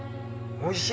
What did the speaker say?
おいしい。